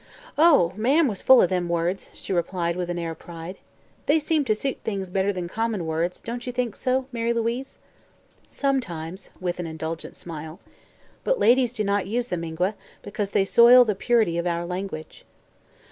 "Oh. Marm was full o' them words," she replied with an air of pride. "They seem to suit things better than common words; don't you think so, Mary Louise?" "Sometimes," with an indulgent smile. "But ladies do not use them, Ingua, because they soil the purity of our language."